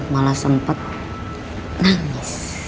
malah sempet nangis